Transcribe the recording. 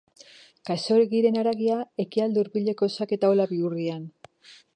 Khaxoggiren haragia Ekialde Hurbileko xake taula bihurrian.